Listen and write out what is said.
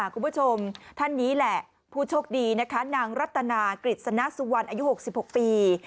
คุณผู้ชมท่านนี้แหละผู้โชคดีนะคะนางรัตนากฤษณสุวรรณอายุ๖๖ปี